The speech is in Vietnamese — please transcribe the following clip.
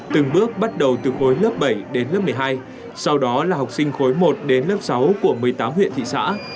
từng bước bắt đầu từ khối lớp bảy đến lớp một mươi hai sau đó là học sinh khối một đến lớp sáu của một mươi tám huyện thị xã